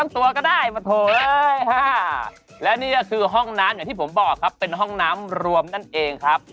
ตามแอฟผู้ชมห้องน้ำด้านนอกกันเลยดีกว่าครับไปเลยครับ